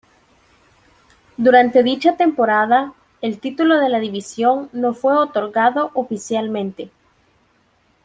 Durante dicha temporada, el título de la división no fue otorgado oficialmente.